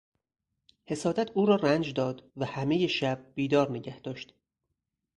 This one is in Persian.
حسادت او را رنج داد و همه شب بیدار نگه داشت.